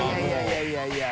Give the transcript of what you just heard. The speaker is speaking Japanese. いやいや。